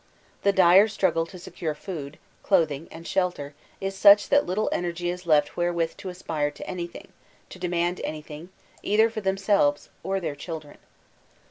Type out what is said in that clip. The dire struggle to •ecare food, clothing and shelter is such that little energy 304 VOLTAUUNE K ClEYRE is left wherewith to aspire to anything, to demand any thing, either for themselves or their children.